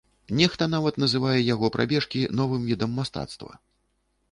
Нехта нават называе яго прабежкі новым відам мастацтва.